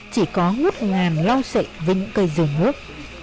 chỉ có ngất ngàn lau sậy với những cây rừng nước